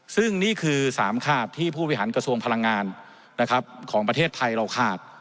ซึ่งนี่คือ๓ขาดที่ผู้บริหารกระทรวงพลังงานของประเทศไทยเราขาด